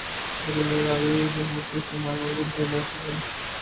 دریائے راوی لاہور کے شمال مغرب میں بہتا ہے